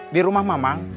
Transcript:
di rumah mamang